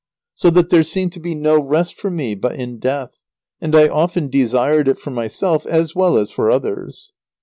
So that there seemed to be no rest for me but in death; and I often desired it for myself, as well as for others.